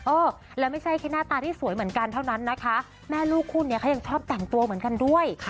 เออแล้วไม่ใช่แค่หน้าตาที่สวยเหมือนกันเท่านั้นนะคะแม่ลูกคู่นี้เขายังชอบแต่งตัวเหมือนกันด้วย